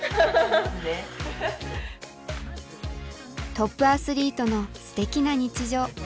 トップアスリートのすてきな日常。